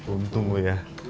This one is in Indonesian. untung lu ya